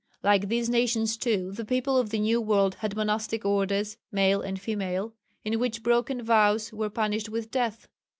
Like these nations too, the people of the new world had monastic orders, male and female, in which broken vows were punished with death.